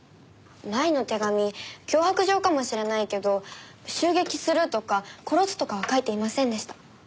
前の手紙脅迫状かもしれないけど襲撃するとか殺すとかは書いていませんでした。